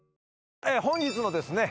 本日のですね